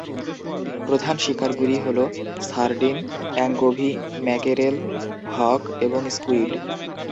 প্রধান শিকারগুলি হল: সার্ডিন, অ্যাঙ্কোভি, ম্যাকেরেল, হক এবং স্কুইড।